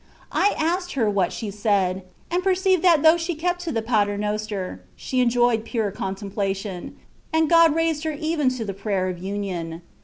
^^ I asked her what she said, and perceived that though she kept to the "Pater Noster,'^ she enjoyed pure contemplation, and God raised her even to the Prayer of Union.